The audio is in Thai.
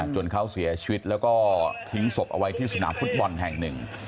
จนเขาเสียชีวิตแล้วก็ทิ้งศพเอาไว้ที่สนามฟุตบอลแห่งหนึ่ง